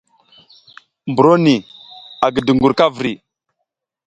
Mburo ni a gi dungur ka vri.